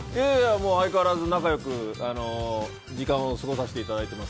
相変わらず仲良く時間を過ごさせていただいてます。